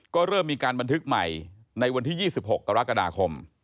ก็เริ่มมีการบันทึกใหม่ในวันที่๒๖กรกฎาคม